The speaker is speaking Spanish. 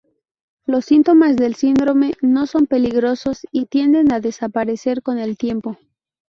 Los síntomas del síndrome no son peligrosos y tienden a desaparecer con el tiempo.